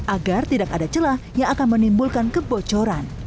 agar tidak ada celah yang akan menimbulkan kebocoran